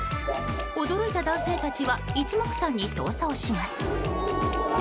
驚いた男性たちは一目散に逃走します。